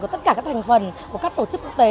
của tất cả các thành phần của các tổ chức quốc tế